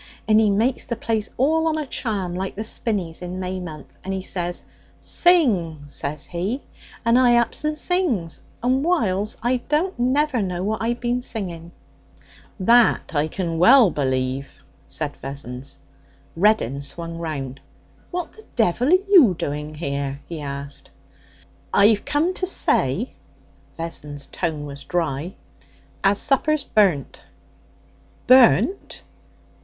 and he makes the place all on a charm, like the spinneys in May month. And he says, "Sing!" says he, and I ups and sings, and whiles I don't never know what I bin singing.' 'That I can well believe,' said Vessons. Reddin swung round. 'What the devil are you doing here?' he asked. 'I've come to say' Vessons' tone was dry 'as supper's burnt.' 'Burnt?'